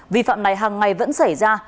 vi phạm này hằng ngày vẫn xảy ra